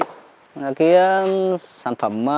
cái sản phẩm